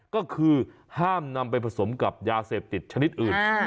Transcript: ก็คือห้ามนำไปผสมกับยาเสพติดชนิดอื่น